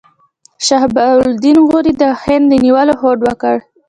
شهاب الدین غوري د هند د نیولو هوډ وکړ.